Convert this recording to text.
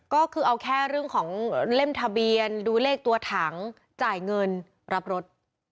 ก็คือเอาแค่เรื่องของเล่มทะเบียนดูเลขตัวถังจ่ายเงินรับรถ